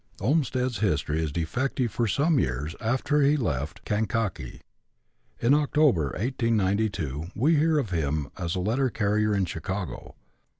Olmstead's history is defective for some years after he left Kankakee. In October, 1892, we hear of him as a letter carrier in Chicago.